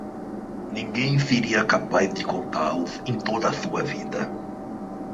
Ninguém seria capaz de contá-los em toda a sua vida.